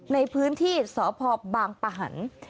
ในพื้นที่สพบางปะหัน